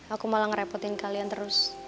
aku malah ngerepotin kalian terus